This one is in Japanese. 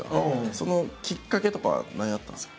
そのきっかけとかは何やったんですか？